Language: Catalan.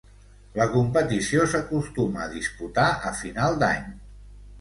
La competició s'acostuma a disputar a final d'any.